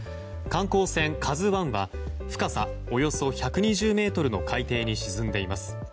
観光船「ＫＡＺＵ１」は深さおよそ１２０ｍの海底に沈んでいます。